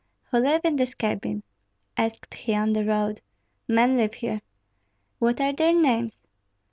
"Who live in this cabin?" asked he on the road. "Men live here." "What are their names?"